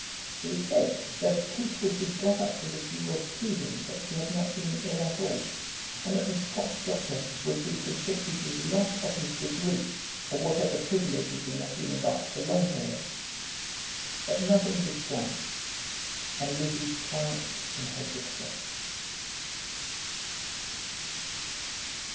It was said that a case would be got up with the view of proving that she had not been ill at all, and that the Scotch doctor would be subjected to the loss of his degree, or whatever privileges in the healing art belonged to him; but nothing was done, and Lizzie triumphed in her success.